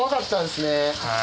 はい。